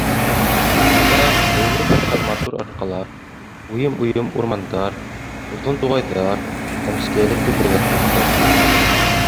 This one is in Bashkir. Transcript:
Унда ҡыйылып ятҡан матур арҡалар, уйым-уйым урмандар, оҙон туғайҙар һәм сейәле түбәләр китә.